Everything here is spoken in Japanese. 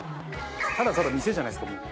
ただただ店じゃないですかもう。